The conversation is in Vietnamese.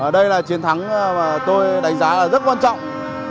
đây là chiến thắng mà tôi đánh giá là rất quan trọng